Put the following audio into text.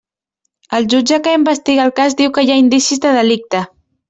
El jutge que investiga el cas diu que hi ha indicis de delicte.